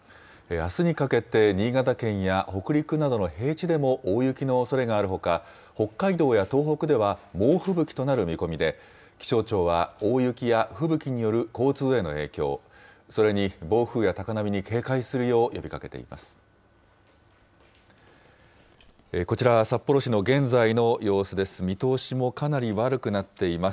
あすにかけて、新潟県や北陸などの平地でも大雪のおそれがあるほか、北海道や東北では、猛吹雪となる見込みで、気象庁は大雪や吹雪による交通への影響、それに暴風や高波に警戒するよう呼びかけています。